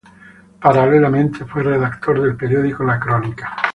Paralelamente fue redactor del periódico "La Crónica".